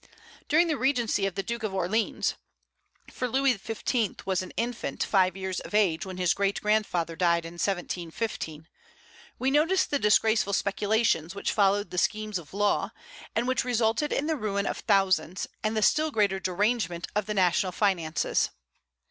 During the regency of the Duke of Orleans, for Louis XV. was an infant five years of age when his great grandfather died in 1715, we notice the disgraceful speculations which followed the schemes of Law, and which resulted in the ruin of thousands, and the still greater derangement of the national finances.